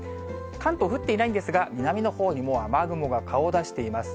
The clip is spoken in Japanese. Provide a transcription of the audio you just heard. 関東、降っていないんですが、南のほうにもう雨雲が顔を出しています。